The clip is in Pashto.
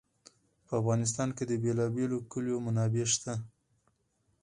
په افغانستان کې د بېلابېلو کلیو منابع شته.